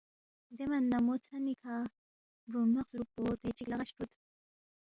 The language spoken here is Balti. دے من نہ مو ژھنی کھہ بُورُوما خسُورُوب پو ردوے چِک لہ غش ترُودس